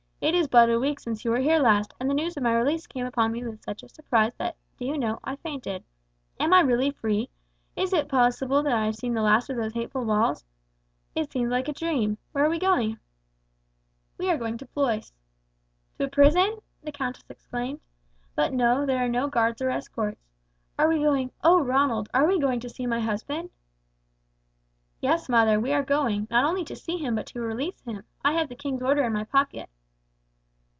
It is but a week since you were here last, and the news of my release came upon me with such a surprise that, do you know, I fainted. Am I really free? Is it possible that I have seen the last of those hateful walls? It seems like a dream. Where are we going?" "We are going to Blois." "To a prison?" the countess exclaimed. "But no, there are no guards or escorts. Are we going, oh, Ronald, are we going to see my husband?" "Yes, mother, we are going, not only to see him but to release him. I have the king's order in my pocket."